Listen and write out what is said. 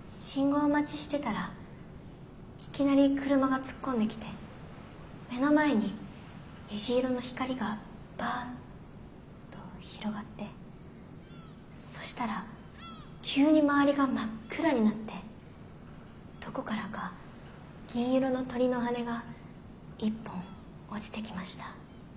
信号待ちしてたらいきなり車が突っ込んできて目の前に虹色の光がバッと広がってそしたら急に周りが真っ暗になってどこからか銀色の鳥の羽根が一本落ちてきました。